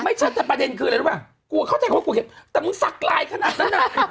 ไม่ใช่แต่ประเด็นคืออะไรรึเปล่าเข้าใจว่ากูเข็มแต่มึงสักลายขนาดนั้นน่ะ